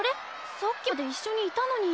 さっきまで一緒にいたのに。